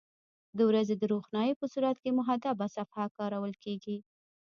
د ورځې د روښنایي په صورت کې محدبه صفحه کارول کیږي.